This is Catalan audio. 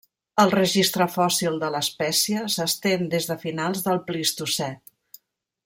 El registre fòssil de l'espècie s'estén des de finals del Plistocè.